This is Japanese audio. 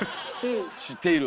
知っている。